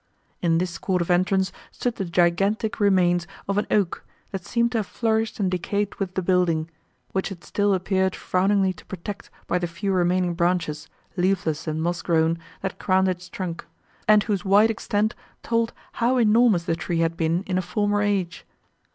In this court of entrance stood the gigantic remains of an oak, that seemed to have flourished and decayed with the building, which it still appeared frowningly to protect by the few remaining branches, leafless and moss grown, that crowned its trunk, and whose wide extent told how enormous the tree had been in a former age.